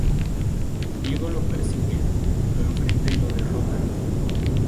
Diego lo persigue, lo enfrenta y lo derrota.